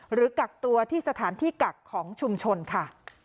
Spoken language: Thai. กักตัวที่สถานที่กักของชุมชนค่ะ